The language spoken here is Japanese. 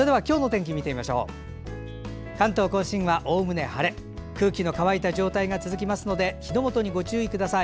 空気の乾いた状態が続きますので火の元にご注意ください。